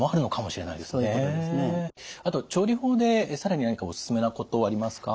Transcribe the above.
あと調理法で更に何かおすすめなことはありますか？